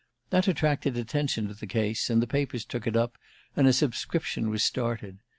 That attracted attention to the case, and the papers took it up, and a subscription was started.